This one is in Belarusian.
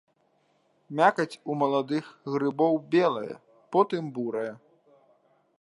Мякаць у маладых грыбоў белая, потым бурая.